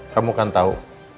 kamu kan tau